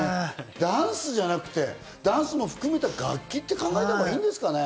ダンスじゃなくてダンスも含めた楽器って考えたほうがいいですかね。